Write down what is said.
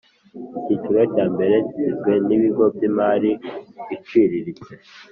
Icyiciro cya mbere kigizwe n ibigo by imari iciriritse